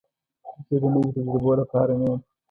زه د نوي تجربو لپاره نه یم.